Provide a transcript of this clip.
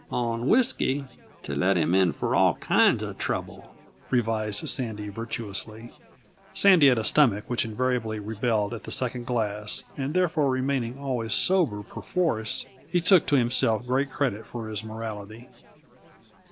"On whisky, to let him in for all kinds uh trouble," revised Sandy virtuously. Sandy had a stomach which invariably rebelled at the second glass and therefore, remaining always sober perforce, he took to himself great credit for his morality.